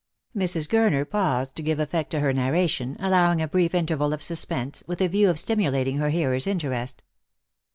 Mrs. Gurner paused to give effect to her narration, allowing a brief interval of suspense, with a view of stimulating her hearer's interest.